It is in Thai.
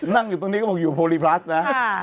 นั่งอยู่ตรงนี้ก็บอกอยู่โพลีพลัสนะ